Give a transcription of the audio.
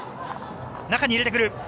中に入れてくる。